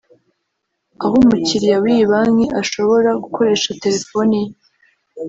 aho umukiriya w’iyi banki ashobora gukoresha terefoni ye